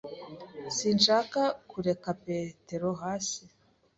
Sinshaka kureka petero hasi.